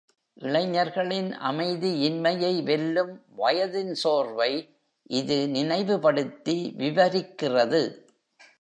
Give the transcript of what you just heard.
இளைஞர்களின் அமைதியின்மையை வெல்லும் வயதின் சோர்வை இது நினைவுபடுத்தி விவரிக்கிறது.